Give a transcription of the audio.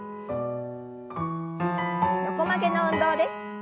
横曲げの運動です。